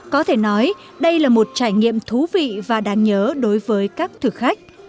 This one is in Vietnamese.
có thể nói đây là một trải nghiệm thú vị và đáng nhớ đối với các thực khách